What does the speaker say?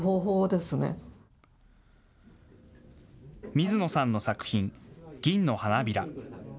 水野さんの作品、銀の花びら。